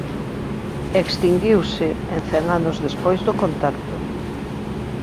Extinguiuse en cen anos despois do contacto.